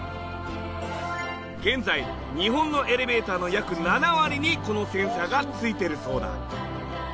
現在日本のエレベーターの約７割にこのセンサーがついているそうだ。